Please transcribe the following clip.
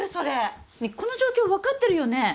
ねぇこの状況わかってるよね？